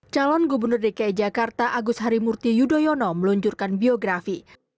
calon gubernur dki jakarta agus harimurti yudhoyono meluncurkan biografi